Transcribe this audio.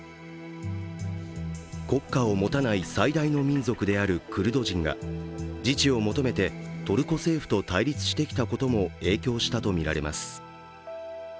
国家を持たない最大の民族であるクルド人が自治を求めてトルコ政府と対立してきたことも影響したとみられます。